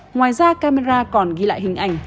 ngoài ra camera còn ghi lại hình ảnh